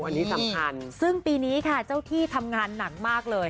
อันนี้สำคัญซึ่งปีนี้ค่ะเจ้าที่ทำงานหนักมากเลย